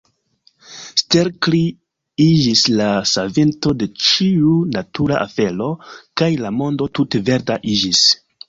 Stelkri iĝis la savinto de ĉiu natura afero, kaj la mondo tute verda iĝis.